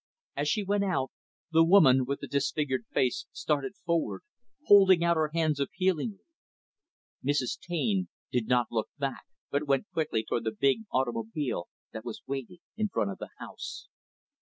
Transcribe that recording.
As she went out, the woman with the disfigured face started forward, holding out her hands appealingly. Mrs. Taine did not look back, but went quickly toward the big automobile that was waiting in front of the house.